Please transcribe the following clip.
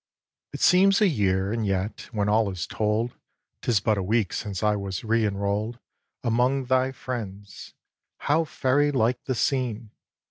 ii. It seems a year; and yet, when all is told, 'Tis but a week since I was re enroll'd Among thy friends. How fairy like the scene!